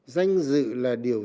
danh dự là điều